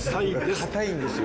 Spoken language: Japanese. かたいんですよ